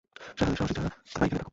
সাহসী যারা, তারা এখানে থাকো।